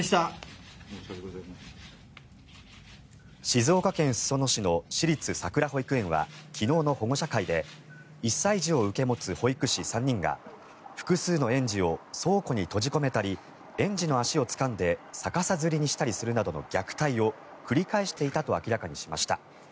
静岡県裾野市の私立さくら保育園は昨日の保護者会で１歳児を受け持つ保育士３人が複数の園児を倉庫に閉じ込めたり園児の足をつかんで逆さづりにするなどの虐待を繰り返していたと明らかにしました。